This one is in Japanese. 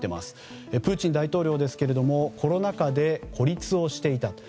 プーチン大統領ですがコロナ禍で孤立をしていた。